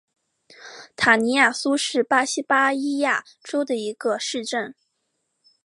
塔尼亚苏是巴西巴伊亚州的一个市镇。